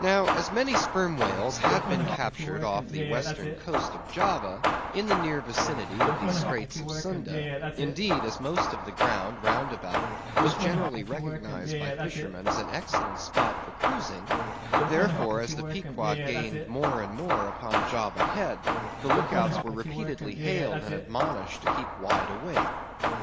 Now, as many Sperm Whales had been captured off the western coast of Java, in the near vicinity of the Straits of Sunda; indeed, as most of the ground, roundabout, was generally recognised by the fishermen as an excellent spot for cruising; therefore, as the Pequod gained more and more upon Java Head, the look outs were repeatedly hailed, and admonished to keep wide awake.